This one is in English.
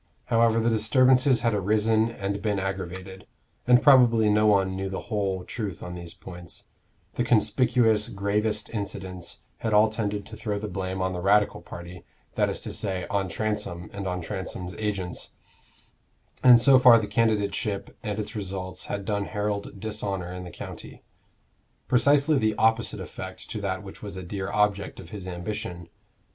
However the disturbances had arisen and been aggravated and probably no one knew the whole truth on these points the conspicuous, gravest incidents had all tended to throw the blame on the Radical party, that is to say, on Transome and on Transome's agents; and so far the candidateship and its results had done Harold dishonor in the county: precisely the opposite effect to that which was a dear object of his ambition.